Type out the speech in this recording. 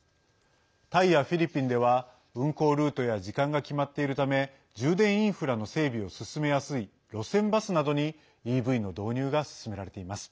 タイやフィリピンでは運行ルートや時間が決まっているため充電インフラの整備を進めやすい路線バスなどにＥＶの導入が進められています。